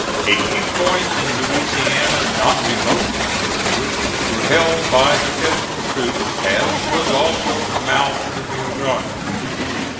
A few points in Louisiana not remote from the river were held by the Federal troops, as was also the mouth of the Rio Grande.